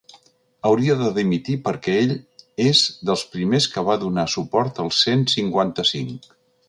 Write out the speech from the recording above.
Hauria de dimitir perquè ell és dels primers que va donar suport al cent cinquanta-cinc.